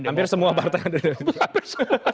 hampir semua partai ada disitu